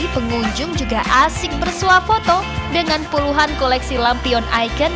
pengunjung juga asik bersuah foto dengan puluhan koleksi lampion icon